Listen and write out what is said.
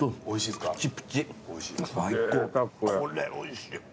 おいしい。